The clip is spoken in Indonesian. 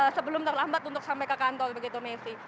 sebelum terlambat untuk sampai ke kantor begitu messi